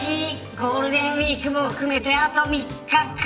ゴールデンウイークも含めてあと３日か。